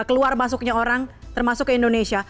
keluar masuknya orang termasuk ke indonesia